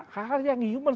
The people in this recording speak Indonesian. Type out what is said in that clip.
hal yang human